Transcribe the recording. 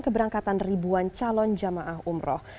keberangkatan ribuan calon jamaah umroh